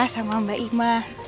sama mbak ima